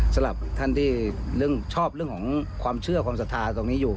สำหรับท่านที่เรื่องชอบเรื่องของความเชื่อความศรัทธาตรงนี้อยู่